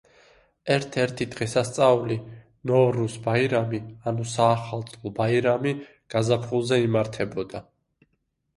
ერთ–ერთი დღესასწაული, ნოვრუზ ბაირამი ანუ საახალწლო ბაირამი გაზაფხულზე იმართებოდა.